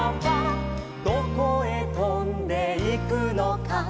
「どこへとんでいくのか」